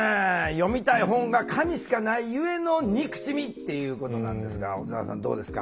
「読みたい本が紙しかないゆえの憎しみ」っていうことなんですが小沢さんどうですか？